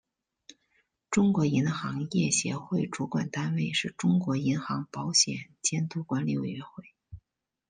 中国银行业协会主管单位是中国银行保险监督管理委员会。